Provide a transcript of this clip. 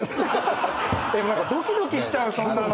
ドキドキしちゃうそんなの。